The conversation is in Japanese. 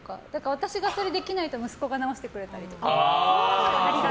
私がそれができないと息子が直してくれたりとか。